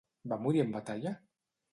Va morir en batalla?